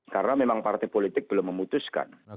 karena memang partai politik belum memutuskan